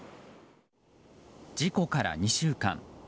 事故から２週間。